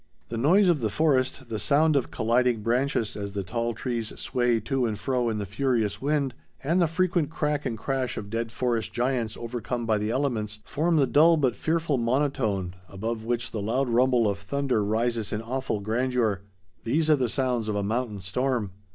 The noise of the forest, the sound of colliding branches as the tall trees sway to and fro in the furious wind, and the frequent crack and crash of dead forest giants overcome by the elements form the dull but fearful monotone, above which the loud rumble of thunder rises in awful grandeur. These are the sounds of a mountain storm.